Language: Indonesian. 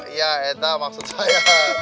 iya entah maksud saya